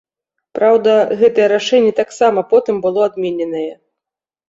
Праўда, гэтае рашэнне таксама потым было адмененае.